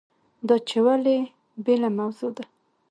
دا چې ولې بېله موضوع ده.